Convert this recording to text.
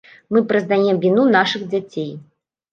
Мы прызнаем віну нашых дзяцей.